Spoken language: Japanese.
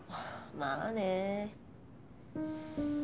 まあね。